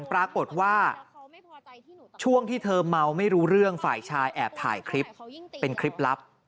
ปรากฏว่าช่วงที่เธอเมาไม่รู้เรื่องฝ่ายชายแอบถ่ายคลิปเป็นคลิปลับ